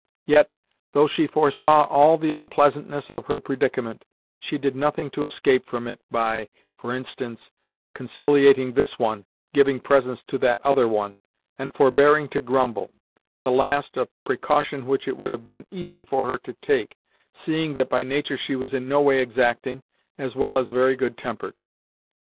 Yet, though she foresaw all the unpleasantness of her predicament, she did nothing to escape from it by (for instance) conciliating this one, giving presents to that other one, and forbearing to grumble the last a precaution which it would have been easy for her to take, seeing that by nature she was in no way exacting, as well as very good tempered.